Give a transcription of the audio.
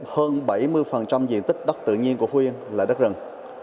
hơn bảy mươi diện tích đất tự nhiên của phú yên là đất rừng